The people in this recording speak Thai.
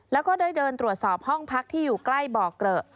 แล้วก็ได้เดินตรวจสอบห้องพักที่อยู่ใกล้บ่อเกลอะ